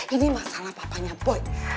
ini masalah papanya boy